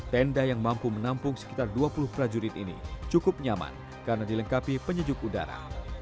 tenda yang mampu menampung sekitar dua puluh prajurit ini cukup nyaman karena dilengkapi penyejuk udara